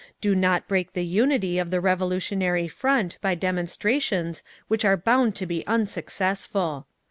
DO NOT BREAK THE UNITY OF THE REVOLUTIONARY FRONT BY DEMONSTRATIONS WHICH ARE BOUND TO BE UNSUCCESSFUL!"